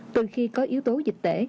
từ khi có yếu tố dịch tễ